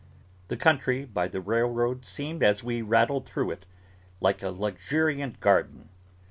The country, by the railroad, seemed, as we rattled through it, like a luxuriant garden.